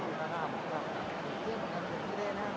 สวัสดีครับ